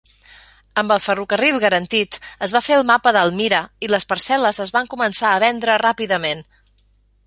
Amb el ferrocarril garantit, es va fer el mapa d'Almira i les parcel·les es van començar a vendre ràpidament.